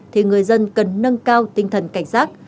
thì người dân cần nâng cao tinh thần cảnh giác